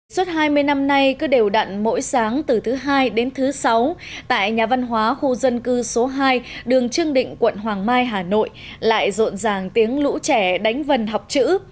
suốt hai mươi năm nay cứ đều đặn mỗi sáng từ thứ hai đến thứ sáu tại nhà văn hóa khu dân cư số hai đường trương định quận hoàng mai hà nội lại rộn ràng tiếng lũ trẻ đánh vần học chữ